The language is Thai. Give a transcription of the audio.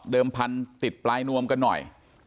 เดิมพันติดปลายนวมกันหน่อย